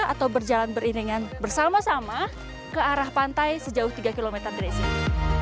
atau berjalan beriringan bersama sama ke arah pantai sejauh tiga km dari sini